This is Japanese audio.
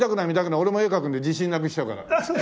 俺も絵描くんで自信なくしちゃうから。